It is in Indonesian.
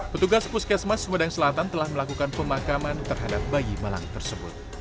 petugas puskesmas sumedang selatan telah melakukan pemakaman terhadap bayi malang tersebut